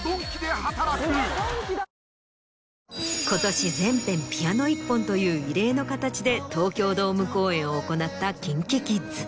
今年全編ピアノ１本という異例の形で東京ドーム公演を行ったＫｉｎＫｉＫｉｄｓ。